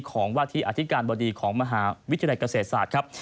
ของวาธิอธิการบดีของมหาวิทยาลัยเกษตรศาสตร์ครับ